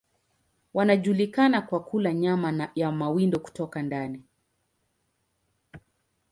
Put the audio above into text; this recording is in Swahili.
Wanajulikana kwa kula nyama ya mawindo kutoka ndani.